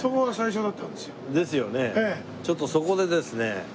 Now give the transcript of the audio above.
ちょっとそこでですね